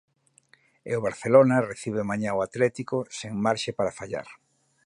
E o Barcelona recibe mañá o Atlético sen marxe para fallar.